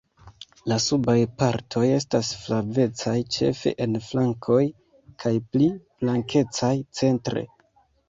La subaj partoj estas flavecaj ĉefe en flankoj kaj pli blankecaj centre.